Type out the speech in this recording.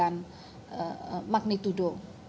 atau diperbarui menjadi enam sembilan magnitudo